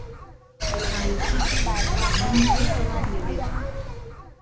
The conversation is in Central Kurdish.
پایتەختە و ناوەندی دەسەڵات لەوێدایە